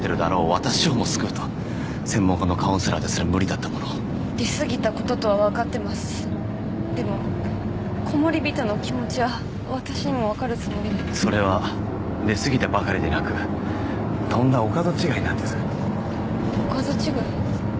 私をも救うと専門家のカウンセラーですら無理だったものを出すぎたこととはわかってますでもコモリビトの気持ちは私にもわかるつもりでそれは出すぎたばかりでなくとんだお門違いなんですお門違い？